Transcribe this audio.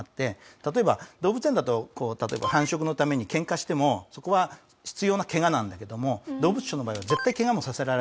例えば動物園だと繁殖のためにケンカしてもそこは必要なケガなんだけども動物商の場合は絶対ケガもさせられないわけですよ。